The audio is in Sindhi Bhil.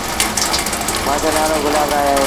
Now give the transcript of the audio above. مآݩجو نآلو گلاب راء اهي۔